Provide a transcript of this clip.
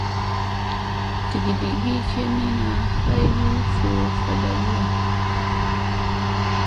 Digiɗ kemina aygi voo vaɗkiya.